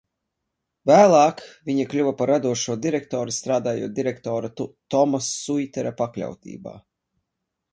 Vēlāk viņa kļuva par radošo direktori, strādājot direktora Toma Suitera pakļautībā.